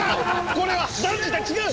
これは断じて違う！